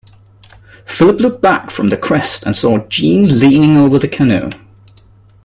Philip looked back from the crest and saw Jeanne leaning over the canoe.